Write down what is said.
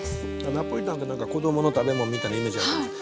ナポリタンって何か子供の食べ物みたいなイメージあるかもしれない。